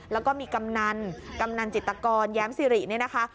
แล้วก็มีกำนันกำนันจิตกรแย้มสิริเนี่ยนะคะ